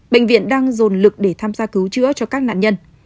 bệnh viện đang dồn lực để tham gia cứu chữa cho các nạn nhân